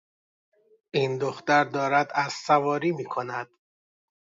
این دختر دارد اسب سواری می کند.